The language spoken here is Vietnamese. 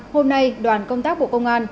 hôm nay đoàn công tác bộ công an